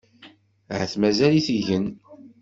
Ahat mazal-it igen.